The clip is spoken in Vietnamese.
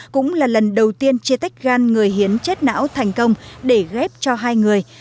cũng là lần đầu tiên chia tách gan người hiến chết não thành công để ghép cho hai người